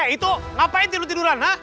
itu ngapain itu tiduran